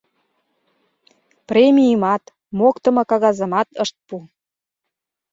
Премийымат, моктымо кагазымат ышт пу.